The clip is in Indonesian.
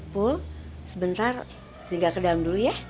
pul sebentar tinggal ke dalam dulu ya